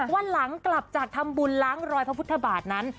วันหลังกลับจากทำบุญล้างรอยพระพุทธบาทนั้น